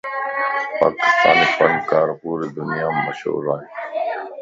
پاڪستاني فنڪارَ پوري دنيامَ مشھور ائين.